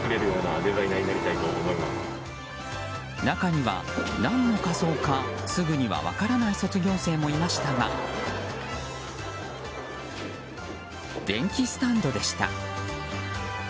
中には何の仮装かすぐには分からない卒業生もいましたが電気スタンドでした。